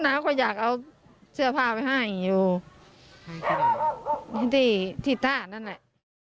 แต่น้าวก็อยากเอาเชื้อผ้าไปให้อยู่ที่ท่านั่นแหละ